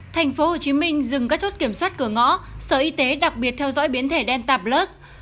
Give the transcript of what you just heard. thành phố hồ chí minh dừng các chốt kiểm soát cửa ngõ sở y tế đặc biệt theo dõi biến thể delta plus